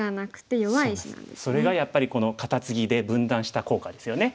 それがやっぱりこのカタツギで分断した効果ですよね。